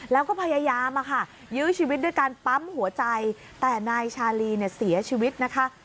แล้วก็พยายามอะค่ะยื้อชีวิตด้วยการปั๊มหัวใจแต่นายชาลีเนี่ยเสียชีวิตนะคะ